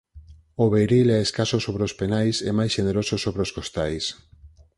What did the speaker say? O beiril é escaso sobre os penais e máis xeneroso sobre os costais.